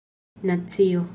nacio